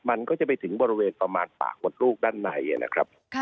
มันก็จะไปถึงบริเวณประมาณปากมดลูกด้านในนะครับ